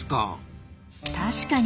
確かに。